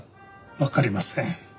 わかりません。